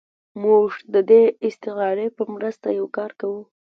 موږ د دې استعارې په مرسته یو کار کوو.